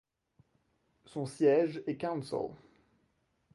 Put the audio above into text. Son siège est Council.